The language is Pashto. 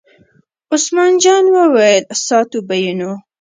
عثمان جان وویل: ساتو به یې نو.